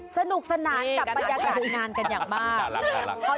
สนุกสนานกับประหยากาศงานกันอย่างมากนี่กันนะน่ารัก